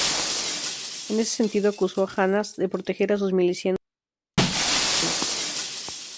En ese sentido, acusó a Hamás de proteger a sus milicianos utilizando escudos humanos.